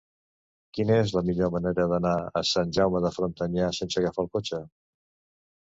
Quina és la millor manera d'anar a Sant Jaume de Frontanyà sense agafar el cotxe?